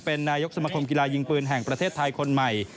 เป็นนายกสมคมกีฬายิงปืนแห่งประเทศไทยคนใหม่